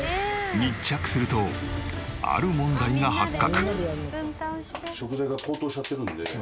密着するとある問題が発覚。